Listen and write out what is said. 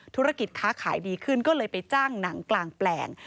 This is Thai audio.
ธุรกิจค้าขายดีขึ้นก็เลยไปจ้างหนังกลางแปลง